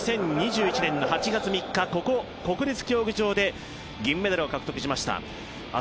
２０２１年８月３日、ここ、国立競技場で銀メダルを獲得しました。